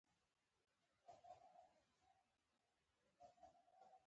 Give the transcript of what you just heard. آیا دیجیجی کالا د انلاین پلورنځی نه دی؟